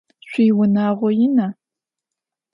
Шъуиунагъо ина?